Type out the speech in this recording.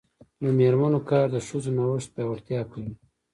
د میرمنو کار د ښځو نوښت پیاوړتیا کوي.